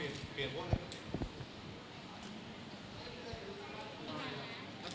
แหวนนิ้วนางข้างซ้ายนี่แหวนในฉาก